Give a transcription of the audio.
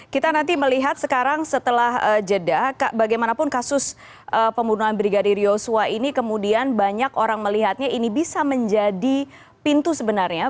kita nanti melihat sekarang setelah jeda bagaimanapun kasus pembunuhan brigadir yosua ini kemudian banyak orang melihatnya ini bisa menjadi pintu sebenarnya